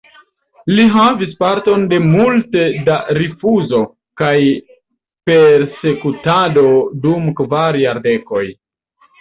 Li havis parton de multe da rifuzo kaj persekutado dum kvar jardekoj.